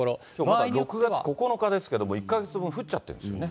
まだ６月９日ですけど、１か月分降っちゃってるんですね。